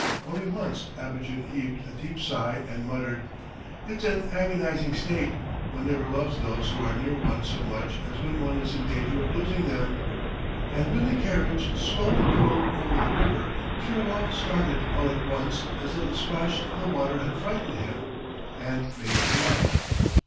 Only once Abogin heaved a deep sigh and muttered: "It's an agonizing state! One never loves those who are near one so much as when one is in danger of losing them." And when the carriage slowly drove over the river, Kirilov started all at once as though the splash of the water had frightened him, and made a movement.